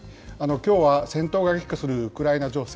きょうは、戦闘が激化するウクライナ情勢。